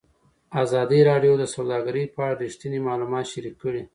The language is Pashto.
ازادي راډیو د سوداګري په اړه رښتیني معلومات شریک کړي.